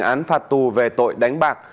án phạt tù về tội đánh bạc